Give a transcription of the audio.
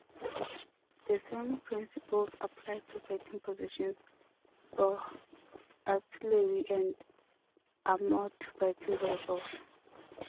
The same principles apply to fighting positions for artillery and armored fighting vehicles.